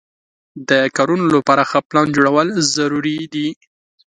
د کارونو لپاره ښه پلان جوړول ضروري دي.